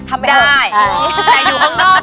ทำได้อยู่ข้างแล้วได้